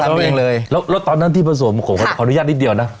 แล้วตอนนั้นที่ผสมผมขออนุญาตนิดเดียวนะ